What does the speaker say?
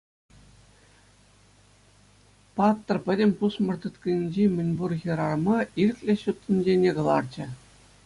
Паттӑр пӗтӗм пусмӑр тыткӑнӗнчи мӗн пур хӗрарӑма ирӗклӗ ҫут тӗнчене кӑларчӗ.